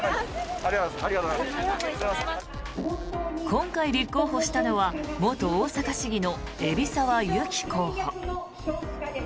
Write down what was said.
今回立候補したのは元大阪市議の海老沢由紀候補。